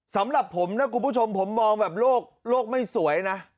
สำหรับผมนะคุณผู้ชมผมมองแบบโลกไม่สวยนะ